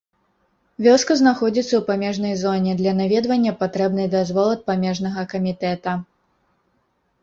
Вёска знаходзіцца ў памежнай зоне, для наведвання патрэбны дазвол ад памежнага камітэта.